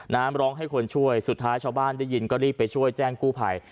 ร้องให้คนช่วยสุดท้ายชาวบ้านได้ยินก็รีบไปช่วยแจ้งกู้ภัย